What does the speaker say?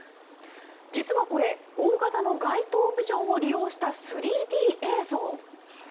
実はこれ大型の街頭ビジョンを利用した３Ｄ映像。